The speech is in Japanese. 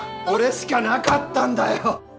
これしかなかったんだよ！